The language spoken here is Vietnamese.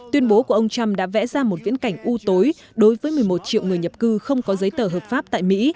tuyên bố của ông trump đã vẽ ra một viễn cảnh ưu tối đối với một mươi một triệu người nhập cư không có giấy tờ hợp pháp tại mỹ